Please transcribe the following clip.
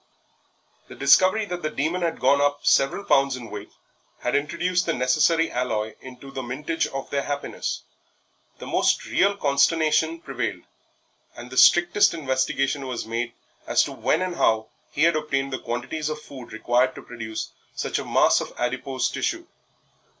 The discovery that the Demon had gone up several pounds in weight had introduced the necessary alloy into the mintage of their happiness; the most real consternation prevailed, and the strictest investigation was made as to when and how he had obtained the quantities of food required to produce such a mass of adipose tissue.